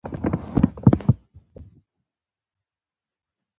څوک ابدال یو څوک اوتاد څوک نقیبان یو